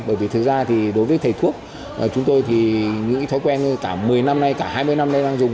bởi vì thực ra thì đối với thầy thuốc chúng tôi thì những thói quen cả một mươi năm nay cả hai mươi năm nay đang dùng